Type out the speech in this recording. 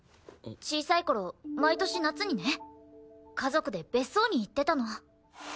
小さい頃毎年夏にね家族で別荘に行ってたの。